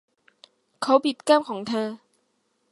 เขาบีบแก้มของเธอ